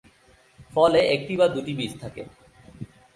ফলে একটি বা দুটি বীজ থাকে।